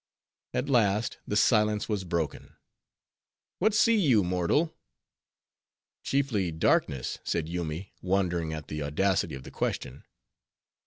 At last, the silence was broken. "What see you, mortal?" "Chiefly darkness," said Yoomy, wondering at the audacity of the question.